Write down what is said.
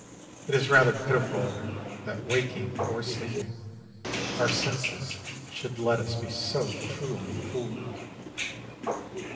It is rather pitiful that, waking or sleeping, our senses should let us be so cruelly fooled.